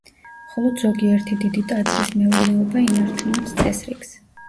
მხოლოდ ზოგიერთი დიდი ტაძრის მეურნეობა ინარჩუნებს წესრიგს.